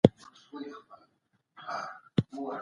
تیاتر په ټولنه کي خپل ځای درلود.